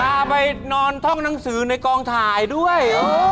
พาไปนอนท่องหนังสือในกองถ่ายด้วย